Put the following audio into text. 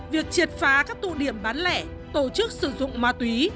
việc triệt phá các tụ điểm bán lẻ tổ chức sử dụng ma túy